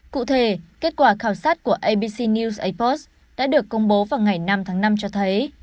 cụ thể kết quả khảo sát của abc news apost đã được công bố vào ngày năm tháng năm cho thấy